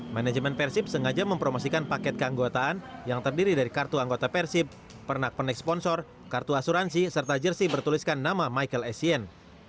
manajemen persib sengaja mempromosikan paket keanggotaan yang terdiri dari kartu anggota persib pernak pernik sponsor kartu asuransi serta jersi bertuliskan nama michael essien